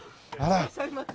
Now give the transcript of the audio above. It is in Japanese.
いらっしゃいませ。